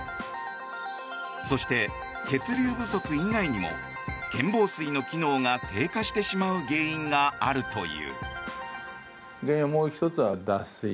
そして、血流不足以外にも腱紡錘の機能が低下してしまう原因があるという。